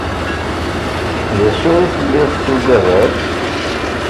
D acu i telliḍ tuggadeḍ-t?